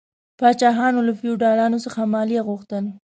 پاچاهانو له فیوډالانو څخه مالیه غوښتل.